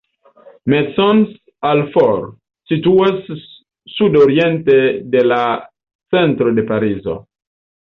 Maisons-Alfort situas sudoriente de la centro de Parizo.